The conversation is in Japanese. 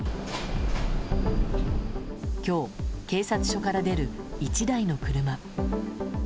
今日、警察署から出る１台の車。